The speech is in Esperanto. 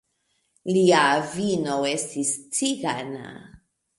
Lia avino estis cigana.